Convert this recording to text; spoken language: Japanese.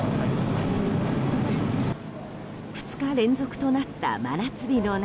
２日連続となった真夏日の中